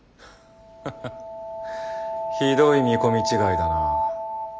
ハハひどい見込み違いだな。